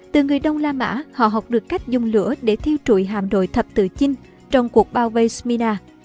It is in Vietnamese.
từ người đông la mã họ học được cách dùng lửa để thiêu trụi hạm đội thập tự chinh trong cuộc bao vây smina